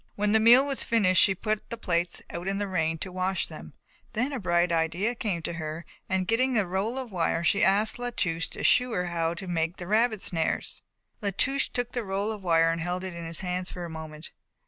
When the meal was finished she put the plates out in the rain to wash them. Then a bright idea came to her and getting the roll of wire she asked La Touche to shew her how to make rabbit snares. La Touche took the roll of wire and held it in his hands for a moment.